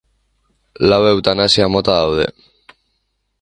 Lau eutanasia mota daude.